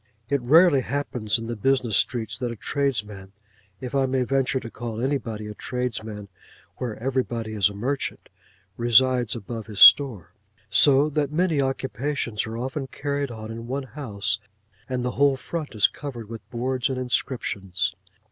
It rarely happens in the business streets that a tradesman, if I may venture to call anybody a tradesman, where everybody is a merchant, resides above his store; so that many occupations are often carried on in one house, and the whole front is covered with boards and inscriptions.